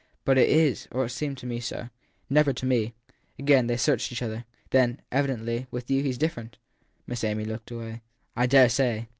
But it is or it seemed to me so. Never to me, said Miss Amy. Again they searched each other. Then, evidently, with you he s different. Miss Amy looked away. I dare say